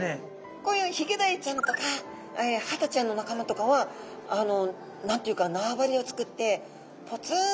こういうヒゲダイちゃんとかハタちゃんの仲間とかは何て言うか縄張りをつくってふん。